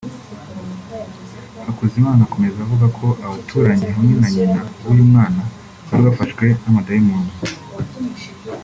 Hakuzimana akomeza avuga ko abaturanyi hamwe na nyina w’uyu mwana wari wafashwe n’abadayimoni